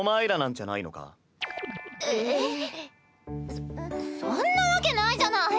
そそんなわけないじゃない。